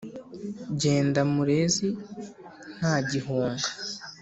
Jyenda Murezi nta gihuunga!